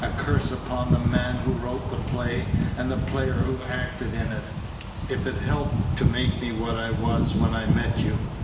A curse upon the man who wrote the play, and the player who acted in it, if it helped to make me what I was when I met you!